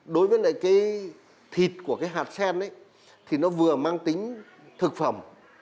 đối với lại cái thịt của cái hạt sen thì nó vừa mang tính thực phẩm